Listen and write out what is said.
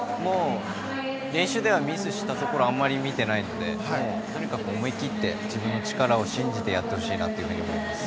練習ではミスしたところあまり見ていないのでとにかく思い切って自分の力を信じてやってほしいなと思います。